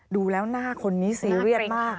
ดูแล้วหน้าคนนี้ซีเรียสมาก